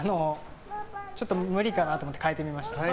ちょっと無理かなと思って変えてみました。